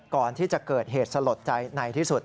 ก่อนที่จะเกิดเหตุสลดใจในที่สุด